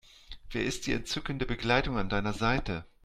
Wer ist die entzückende Begleitung an deiner Seite?